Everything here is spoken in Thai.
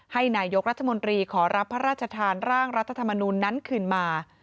ให้นายกรัฐมนตรีขอรับพระราชทานร่างรัฐธรรมนูลนั้นคืนมา